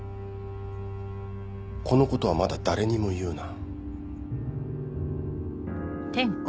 このことはまだ誰にも言うな。